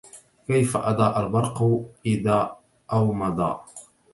كيف أضاء البرق إذ أومضا